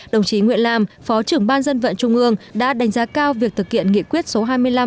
đồng chí nguyễn lam phó trưởng ban dân vận trung ương đã đánh giá cao việc thực hiện nghị quyết số hai mươi năm